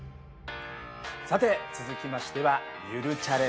さて続きましては「ゆるチャレ」です。